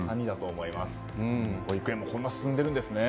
保育園もこんなに進んでいるんですね。